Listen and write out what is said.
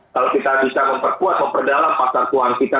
kalau kita bisa memperkuat memperdalam pasar keuangan kita